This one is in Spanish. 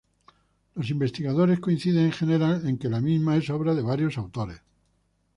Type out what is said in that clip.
Los investigadores coinciden en general en que la misma es obra de varios autores.